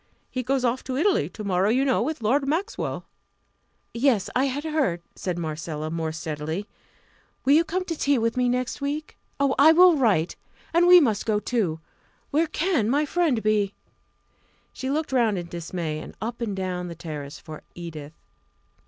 He goes off to Italy to morrow, you know, with Lord Maxwell." "Yes, I had heard," said Marcella, more steadily. "Will you come to tea with me next week? Oh, I will write. And we must go too where can my friend be?" She looked round in dismay, and up and down the terrace for Edith.